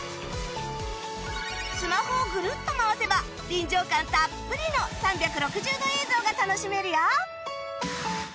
スマホをグルッと回せば臨場感たっぷりの３６０度映像が楽しめるよ